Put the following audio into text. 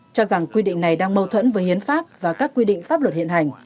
cho rằng quy định này đang mâu thuẫn với hiến pháp và các quy định pháp luật hiện hành